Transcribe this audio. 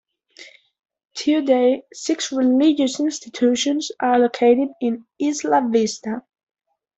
Today six religious institutions are located in Isla Vista.